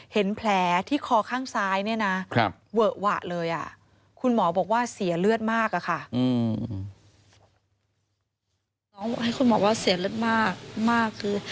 เห็นแผลที่คอข้างซ้ายเนี่ยนะเวอะวะเลยอ่ะคุณหมอบอกว่าเสียเลือดมากค่ะคุณหมอบอกว่าเสียเลือดมาก